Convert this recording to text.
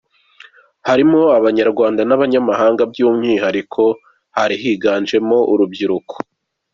Harimo Abanyarwanda n'abanyamahanga by'umwihariko hari higanje urubyiruko.